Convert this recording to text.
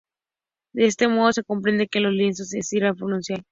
De este modo se comprende que en los lienzos existía la profundidad.